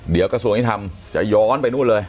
เดี๋ยวกระทรวงยุทธรรมจะย้อนไปนู่นเลย